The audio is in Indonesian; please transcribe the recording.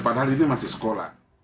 padahal ini masih sekolah